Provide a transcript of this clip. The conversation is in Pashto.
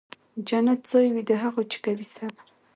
جنت ځای وي د هغو چي کوي صبر